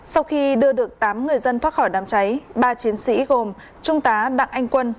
sau khi đưa được tám người dân thoát khỏi đám cháy ba chiến sĩ gồm trung tá đặng anh quân